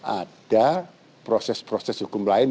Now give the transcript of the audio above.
ada proses proses hukum lain